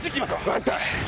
分かった！